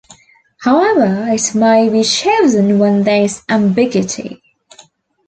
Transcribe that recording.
However it may be chosen when there is ambiguity.